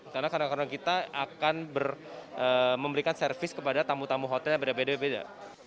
karena karyawan karyawan kita akan memberikan servis kepada tamu tamu hotel yang beda beda